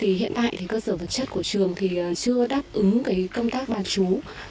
hiện tại cơ sở vật chất của trường chưa đáp ứng công tác bán chú